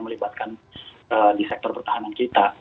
melibatkan di sektor pertahanan kita